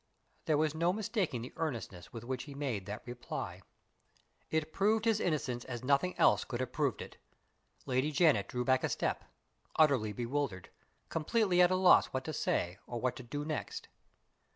There was no mistaking the earnestness with which he made that reply. It proved his innocence as nothing else could have proved it. Lady Janet drew back a step utterly bewildered; completely at a loss what to say or what to do next.